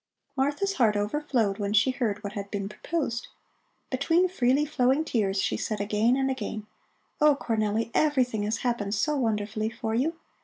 Martha's heart overflowed when she heard what had been proposed. Between freely flowing tears she said again and again: "Oh, Cornelli! Everything has happened so wonderfully for you.